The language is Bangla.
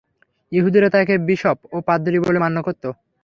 ইহুদীরা তাকে বিশপ ও পাদ্রী বলে মান্য করত।